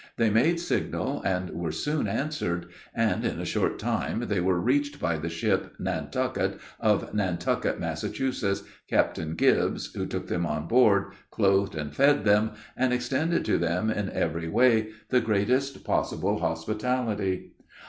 They made signal and were soon answered, and in a short time they were reached by the ship Nantucket, of Nantucket, Mass., Captain Gibbs, who took them all on board, clothed and fed them, and extended to them in every way the greatest possible hospitality.